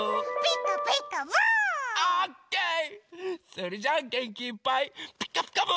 それじゃあげんきいっぱい「ピカピカブ！」